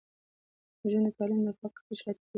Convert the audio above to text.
د نجونو تعلیم د فقر کچه راټیټوي.